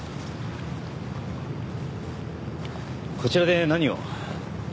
こちらで何を？